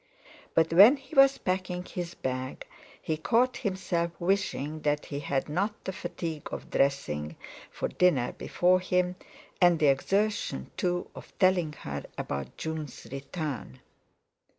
But when he was packing his bag he caught himself wishing that he had not the fatigue of dressing for dinner before him, and the exertion, too, of telling her about June's return.